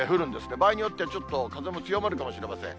場合によってはちょっと風も強まるかもしれません。